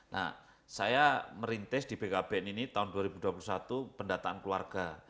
nah saya merintis di bkbn ini tahun dua ribu dua puluh satu pendataan keluarga